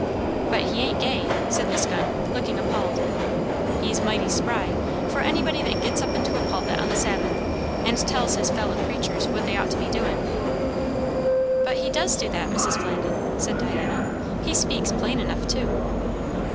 "But he ain't gay," said Miss Gunn, looking appalled. "He's mighty spry, for anybody that gets up into a pulpit on the Sabbath and tells his fellow creaturs what they ought to be doin'." "But he does do that, Mrs. Flandin," said Diana. "He speaks plain enough, too."